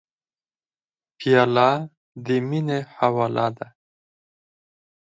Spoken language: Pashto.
پیاله د مینې خواله ده.